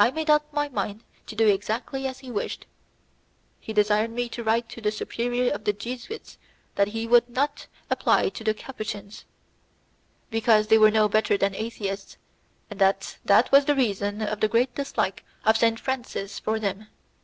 I made up my mind to do exactly as he wished. He desired me to write to the superior of the Jesuits that he would not apply to the Capuchins, because they were no better than atheists, and that that was the reason of the great dislike of Saint Francis for them.